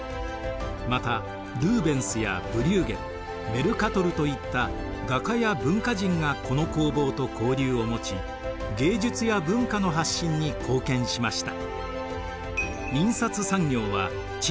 またルーベンスやブリューゲルメルカトルといった画家や文化人がこの工房と交流を持ち芸術や文化の発信に貢献しました。